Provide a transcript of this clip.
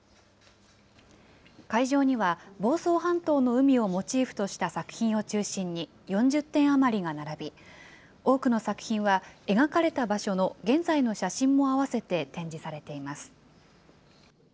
会場には、房総半島の海をモチーフとした作品を中心に４０点余りが並び、多くの作品は、描かれた場所の現在の写真も合わせて展示されています。